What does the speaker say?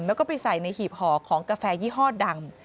แล้วก็ไปใส่ในหีบห่อของกาแฟยี่ห้อดัง